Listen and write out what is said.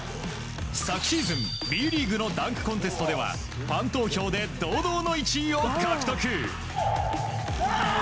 昨シーズンＢリーグのダンクコンテストではファン投票で堂々の１位を獲得。